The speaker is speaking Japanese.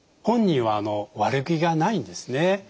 本人は悪気がないんですね。